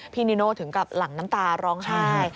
นิโน่ถึงกับหลังน้ำตาร้องไห้